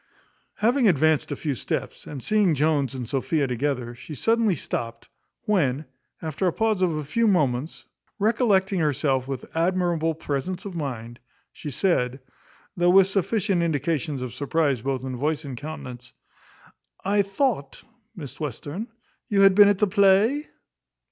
Having advanced a few steps, and seeing Jones and Sophia together, she suddenly stopt; when, after a pause of a few moments, recollecting herself with admirable presence of mind, she said though with sufficient indications of surprize both in voice and countenance "I thought, Miss Western, you had been at the play?"